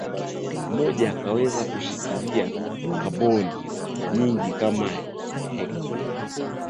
mmoja aweze kushikilia kaboni nyingi kama hekta